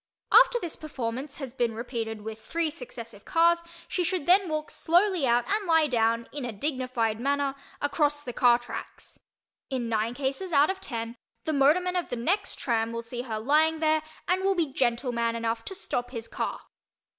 After this performance has been repeated with three successive cars she should then walk slowly out and lie down, in a dignified manner, across the car tracks. In nine cases out of ten the motorman of the next "tram" will see her lying there and will be gentleman enough to stop his car.